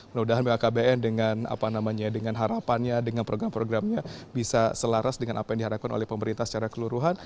mudah mudahan bkkbn dengan harapannya dengan program programnya bisa selaras dengan apa yang diharapkan oleh pemerintah secara keluruhan